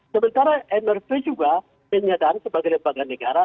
sementara mrt juga menyadari sebagai lembaga negara